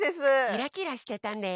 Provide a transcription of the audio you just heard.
キラキラしてたね。